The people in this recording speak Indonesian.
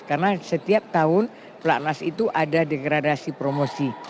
karena setiap tahun pelak nas itu ada degradasi promosi